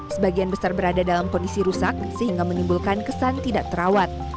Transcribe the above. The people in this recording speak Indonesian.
sebagian besar berada dalam kondisi rusak sehingga menimbulkan kesan tidak terawat